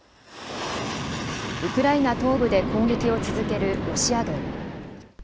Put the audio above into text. ウクライナ東部で攻撃を続けるロシア軍。